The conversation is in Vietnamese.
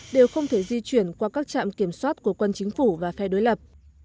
đều không thể di chuyển qua các trạm kiểm soát của quân chính phủ và phe đối lập